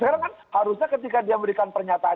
sekarang kan harusnya ketika dia memberikan pernyataan